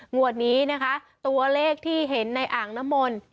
งวดนี้นะคะตัวเลขที่เห็นในอ่างน้ำมนต์